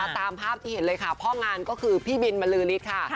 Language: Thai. ตามภาพเท่าไหร่ค่ะพ่องานก็คือพี่บินมารือรีบค่ะ